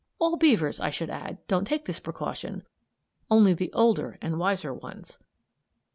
(All beavers, I should add, don't take this precaution; only the older and wiser ones.)